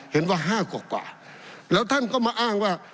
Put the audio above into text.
เห็นว่า๕กว่าแล้วท่านก็มาอ้างว่า